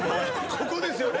ここですよね。